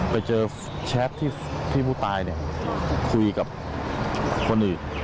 ไปเจอแชทที่ผู้ตายคุยกับคนอื่น